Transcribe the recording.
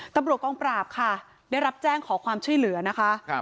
ตำรวจกองปราบค่ะได้รับแจ้งขอความช่วยเหลือนะคะ